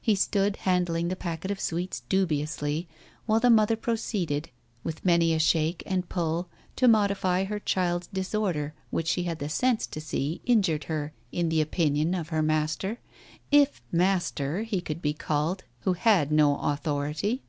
He stood, handling the packet of sweets dubiously, while the mother pro ceeded, with many a shake and pull, to modify her child's disorder, which she had the sense to see injured her in the opinion of her master, if master he could be called who had no authority.